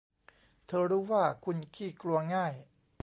เธอรู้ว่าคุณขี้กลัวง่าย